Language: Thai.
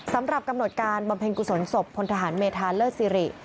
สำหรับกำหนดการบำเพ็ญกุศลศพพลทหารเมธาเลิศสิริ